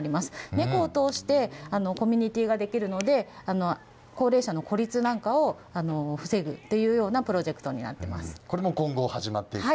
猫を通してコミュニティーができるので高齢者の孤立なんかを防ぐというようなプロジェクトになっています。